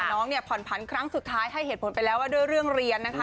น้องเนี่ยผ่อนผันครั้งสุดท้ายให้เหตุผลไปแล้วว่าด้วยเรื่องเรียนนะคะ